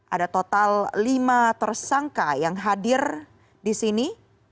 ada total lima tersangka yang hadir di sini